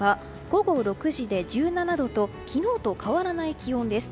午後６時で１７度と昨日と変わらない気温です。